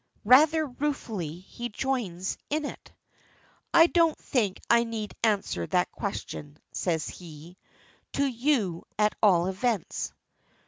Rather ruefully he joins in it. "I don't think I need answer that question," says he. "To you at all events."